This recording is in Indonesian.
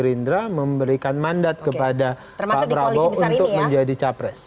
gerindra memberikan mandat kepada pak prabowo untuk menjadi capres